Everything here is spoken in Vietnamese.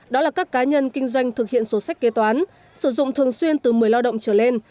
đó là các cá nhân kinh doanh thực hiện sổ sách kế toán sử dụng thường xuyên từ một mươi lao động trở lên